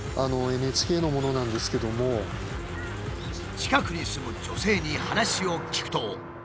近くに住む女性に話を聞くと。